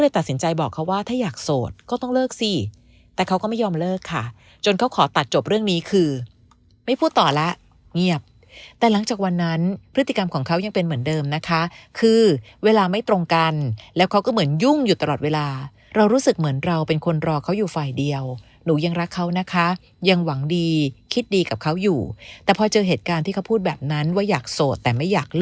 ตัดสินใจบอกเขาว่าถ้าอยากโสดก็ต้องเลิกสิแต่เขาก็ไม่ยอมเลิกค่ะจนเขาขอตัดจบเรื่องนี้คือไม่พูดต่อแล้วเงียบแต่หลังจากวันนั้นพฤติกรรมของเขายังเป็นเหมือนเดิมนะคะคือเวลาไม่ตรงกันแล้วเขาก็เหมือนยุ่งอยู่ตลอดเวลาเรารู้สึกเหมือนเราเป็นคนรอเขาอยู่ฝ่ายเดียวหนูยังรักเขานะคะยังหวังดีคิดดีกับเขาอยู่แต่พอเจอเหตุการณ์ที่เขาพูดแบบนั้นว่าอยากโสดแต่ไม่อยากเ